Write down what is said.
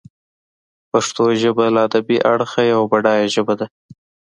پښتو ژبه له ادبي اړخه یوه بډایه ژبه ده.